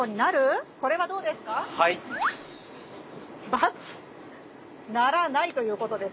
×ならないということですね。